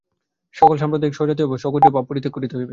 সকল সাম্প্রদায়িক, স্বজাতীয় বা স্বগোত্রীয় ভাব পরিত্যাগ করিতে হইবে।